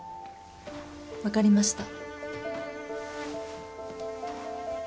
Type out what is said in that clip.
わかりました。